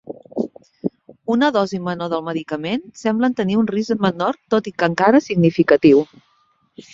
Una dosi menor del medicament semblen tenir un risc menor tot i que encara significatiu.